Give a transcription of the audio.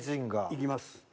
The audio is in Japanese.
行きます。